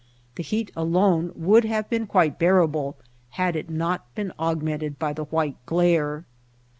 The heat alone would have been quite bearable had it not been augmented by the white glare.